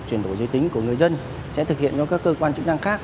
chuyển đổi giới tính của người dân sẽ thực hiện cho các cơ quan chức năng khác